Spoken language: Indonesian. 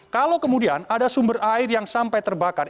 kalau kemudian ada sumber air yang sampai terbakar